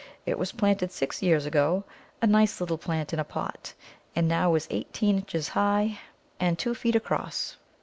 It was planted six years ago, a nice little plant in a pot, and now is eighteen inches high and two feet across.